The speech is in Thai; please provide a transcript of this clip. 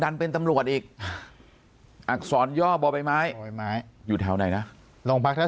ดันเป็นตำรวจอีกอักษรยอบบ่อใบไม้อยู่แถวไหนนะลงพักแล้ว